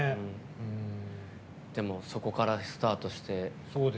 でも、そこからスタートして。